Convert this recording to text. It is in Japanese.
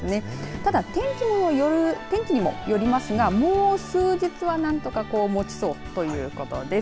ただ、天気にもよりますがもう数日は何とか持ちそうということです。